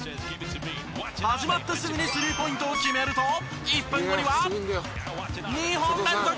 始まってすぐにスリーポイントを決めると１分後には２本連続。